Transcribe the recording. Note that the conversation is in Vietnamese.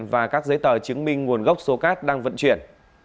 và các giấy tờ chứng minh nguồn gốc số cát đang vận chuyển